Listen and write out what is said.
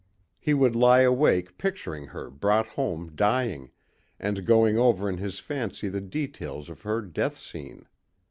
He would lie awake picturing her brought home dying and going over in his fancy the details of her death scene.